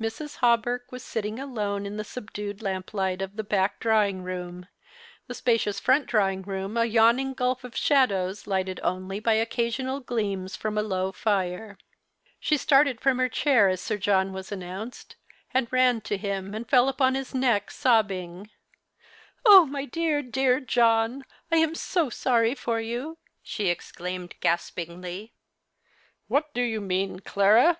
Mrs. Hawberk was sitting alone in the subdued lamp light of the back drawing room, the spacious front drawing room a yawning gulf of shadows lighted only by occasional gleams from a low fire. She started from her chair as Sir John was announced, and ran to him and fell upon his neck sobbing —" Oh, my dear, dear John, I am so sorry for you," she exclaimed gaspingly. "What do you mean, Clara?